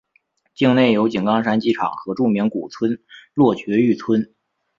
境内有井冈山机场和著名古村落爵誉村。